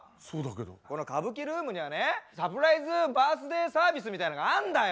この歌舞伎ルームにはねサプライズバースデーサービスみたいなのがあんだよ。